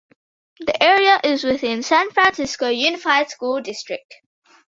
The area is within the San Francisco Unified School District.